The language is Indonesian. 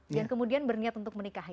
dan kemudian berniat untuk menikahi